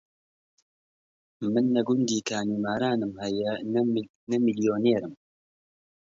من نە گوندی کانیمارانم هەیە، نە میلیونێرم